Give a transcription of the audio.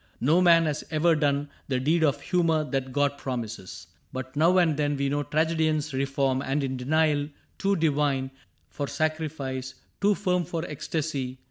No man has ever done The deed of humor that God promises. But now and then we know tragedians Reform, and in denial too divine For sacrifice, too firm for ecstasy.